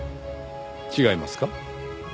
違いますか？